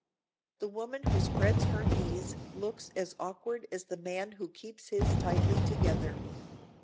The woman who spreads her knees looks as awkward as the man who keeps his tightly together.